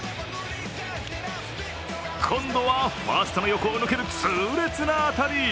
今度はファーストの横を抜ける痛烈な当たり。